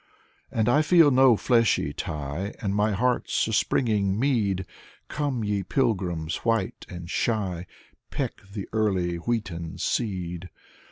And I feel no fleshly tie; And my heart's a springing mead. Come, ye pilgrims white and shy, Peck the early wheaten seed.